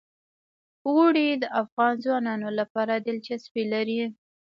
اوړي د افغان ځوانانو لپاره دلچسپي لري.